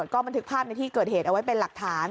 ก็บันทึกภาพในที่เกิดเหตุเอาไว้เป็นหลักฐาน